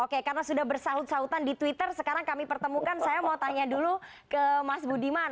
oke karena sudah bersaut sautan di twitter sekarang kami pertemukan saya mau tanya dulu ke mas budiman